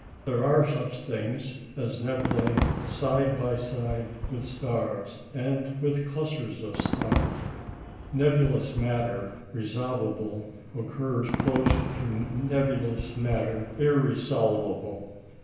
There are such things as nebulæ side by side with stars and with clusters of stars. Nebulous matter resolvable occurs close to nebulous matter irresolvable."